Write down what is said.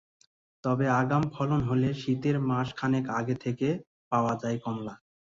তবে আগাম ফলন হলে শীতের মাস খানেক আগে থেকে পাওয়া যায় কমলা।